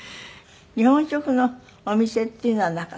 日本食のお店っていうのはなかったの？